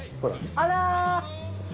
あら。